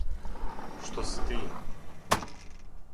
Што си ти.